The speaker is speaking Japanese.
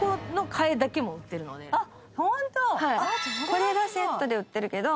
・これがセットで売ってるけど。